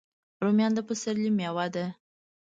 رومیان د پسرلي میوه ده